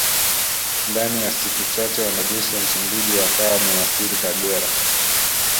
Ndani ya siku chache wanajeshi wa Msumbiji wakawa wamewasili Kagera